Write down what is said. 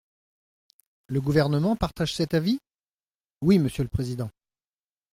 Le Gouvernement partage cet avis ? Oui, monsieur le président.